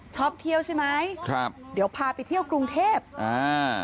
ชอบเที่ยวใช่ไหมครับเดี๋ยวพาไปเที่ยวกรุงเทพอ่า